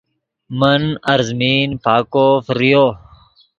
من ارزمین پاکو فریو